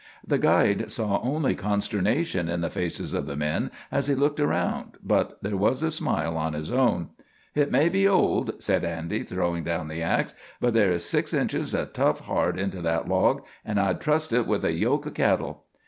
The guide saw only consternation in the faces of the men as he looked around, but there was a smile on his own. "Hit may be old," said Andy, throwing down the ax, "but there is six inches of tough heart into that log, and I'd trust hit with a yoke o' cattle."